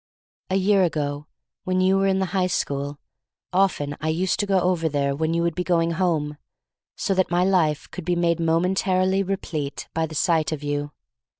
"A year ago, when you were in the high school, often I used to go over there when you would be going home, so that my life could be made momen tarily replete by the sight of you.